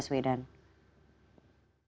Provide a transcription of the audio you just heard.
pertemuan ini berlangsung di jokowi jilid i